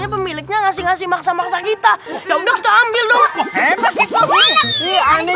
nah pemiliknya itu beli layangan kita dikasihlah uang